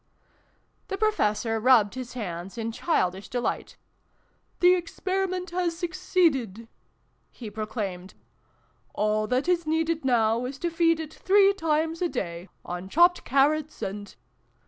The Professor rubbed his hands in childish delight. " The Experiment has succeeded !" he proclaimed. " All that is needed now is to feed it three times a day, on chopped carrots and